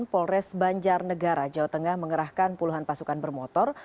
polres banjar negara jawa tengah mengerahkan puluhan pasukan bermotor